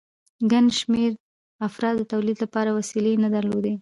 ګڼ شمېر افرادو د تولید لپاره وسیلې نه درلودې